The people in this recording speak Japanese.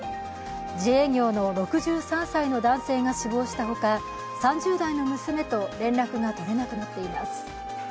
自営業の６３歳の男性が死亡したほか３０代の娘と連絡が取れなくなっています。